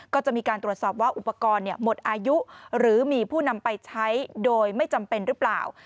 ก็จะมีการตรวจสอบว่าอุปกรณ์หมดอายุหรือมีผู้นำไปใช้โดยไม่จำเป็นหรือเปล่า